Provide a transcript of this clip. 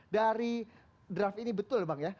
dari draft ini betul bang ya